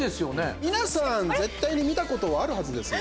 皆さん、絶対に見たことはあるはずですよ。